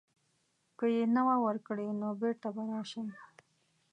که یې نه وه ورکړې نو بیرته به راشم.